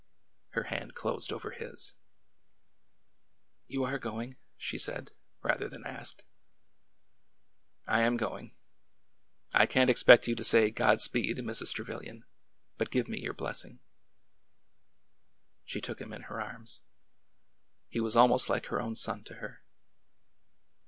Her hand closed over his. You are going ?" she said rather than asked. 1 am going. I can't expect you to say, ' God speed,' Mrs. Trevilian, but give me your blessing." She took him in her arms. He was almost like her own son to her.